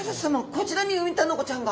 こちらにウミタナゴちゃんが？